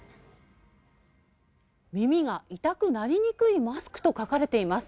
耳が痛くなりにくいマスクと書かれています。